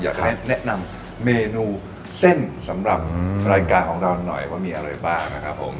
อยากให้แนะนำเมนูเส้นสำหรับรายการของเราหน่อยว่ามีอะไรบ้างนะครับผม